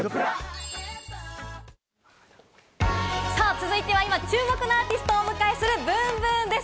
続いては今、注目のアーティストをお迎えするｂｏｏｍｂｏｏｍです。